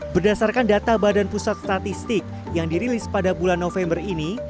berdasarkan data badan pusat statistik yang dirilis pada bulan november ini